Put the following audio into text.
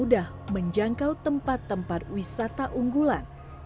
mudah menjangkau tempat tempat wisata unggulan